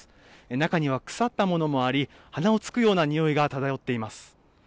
中には腐ったものもあり、鼻をつくような臭いが漂っています。